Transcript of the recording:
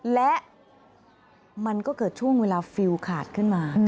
และมันก็เกิดช่วงเวลาฟิลขาดขึ้นมา